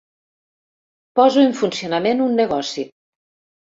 Poso en funcionament un negoci.